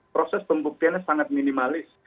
proses pembuktiannya sangat minimalis